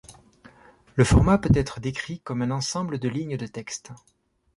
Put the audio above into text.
Le format peut être décrit comme un ensemble de lignes de texte.